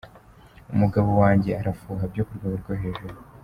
Umugabo wange arafuha byo ku rwego rwo hejuru.